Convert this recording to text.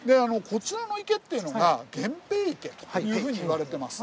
こちらの池っていうのが源平池というふうにいわれてます。